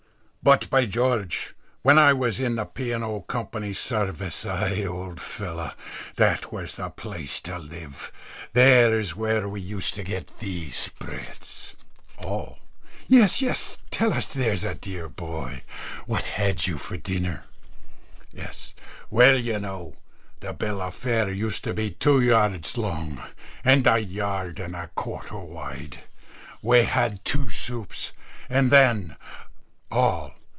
_ "But, by George, when I was in the P. & O. Co.'s Service ay, old fellows, that was the place to live there is where we used to get the spreads." All. "Yes, yes; tell us, there's a dear boy. What had you for dinner?" S. "Well, you know, the bill of fare used to be two yards long, and a yard and a quarter wide. We had two soups, and then " _All.